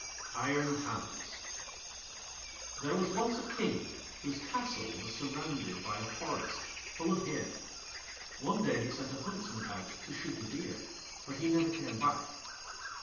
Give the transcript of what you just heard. Iron Hans There was once a King whose castle was surrounded by a forest full of game. One day he sent a Huntsman out to shoot a deer, but he never came back.